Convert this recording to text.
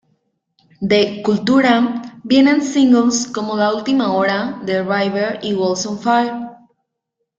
De "Cultura" vienen singles como "La Última Hora", "The River" y "World's on Fire".